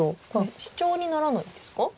シチョウにならないんですか？